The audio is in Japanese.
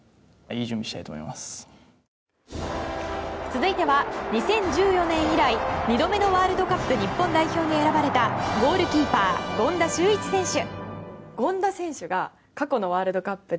続いては２０１４年以来２度目のワールドカップ日本代表に選ばれたゴールキーパー権田修一選手。